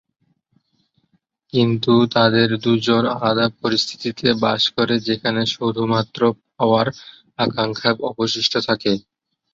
কিন্তু তাদের দুজন আলাদা পরিস্থিতিতে বাস করে, যেখানে শুধুমাত্র পাওয়ার আকাঙ্ক্ষা অবশিষ্ট থাকে।